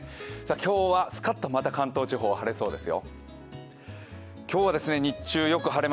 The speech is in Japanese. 今日はスカッとまた関東地方は晴れそうですよ。